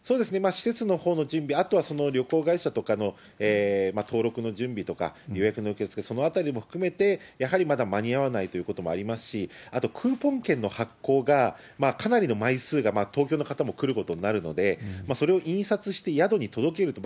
施設のほうの準備、あとはその旅行会社とかの登録の準備とか、予約の受け付け、そのあたりも含めて、やはりまだ間に合わないということもありますし、あとクーポン券の発行が、かなりの枚数が東京の方も来ることになるので、それを印刷して宿に届けると。